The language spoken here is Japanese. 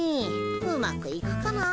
うまくいくかなあ。